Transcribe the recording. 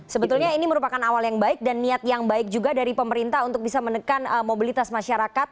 sebetulnya ini merupakan awal yang baik dan niat yang baik juga dari pemerintah untuk bisa menekan mobilitas masyarakat